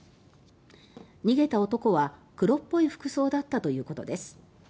逃げた男は黒っぽい服装だったということです。